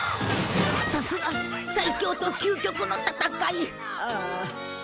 さすが最強と究極の戦い。